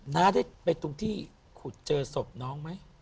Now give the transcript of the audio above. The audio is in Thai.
น้าได้ไปตรงที่ขุดเจอศพน้องไหม